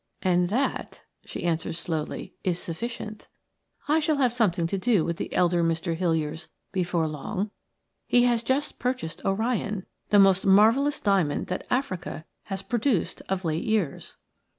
"And that," she answered, slowly, "is sufficient. I shall have something to do with the elder Mr. Hiliers before long. He has just purchased Orion, the most marvellous diamond that Africa has produced of late years."